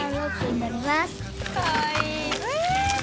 かわいい。